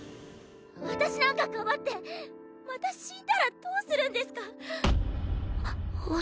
私なんかかばってまた死んだらどうするんですか。